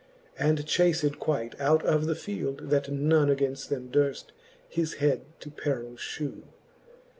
And chaced quite out of the field, that none Againft them durft his head to perill (hew.